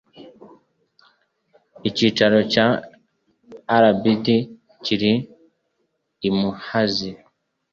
icyicaro cya rbd kiri i muhazi